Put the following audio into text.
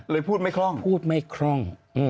เลยพูดไม่คล่อง